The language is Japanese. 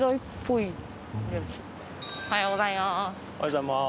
おはようございます。